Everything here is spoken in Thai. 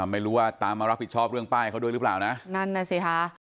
ไม่รู้ว่าตามมารับผิดชอบเรื่องป้ายเขาด้วยหรือเปล่านะนั่นน่ะสิค่ะ